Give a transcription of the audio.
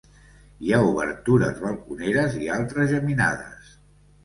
Hi ha obertures balconeres i altres geminades.